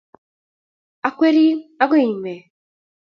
akwerin agoe imei